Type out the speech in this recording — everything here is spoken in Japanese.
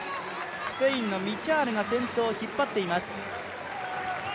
スペインのミチャールが先頭を引っ張っています。